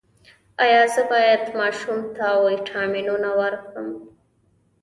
ایا زه باید ماشوم ته ویټامینونه ورکړم؟